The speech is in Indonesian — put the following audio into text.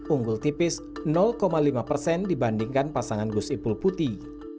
unggul tipis lima persen dibandingkan pasangan gus ipul putih